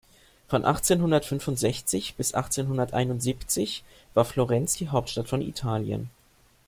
Von achtzehnhundertfünfundsechzig bis achtzehnhunderteinundsiebzig war Florenz die Hauptstadt von Italien.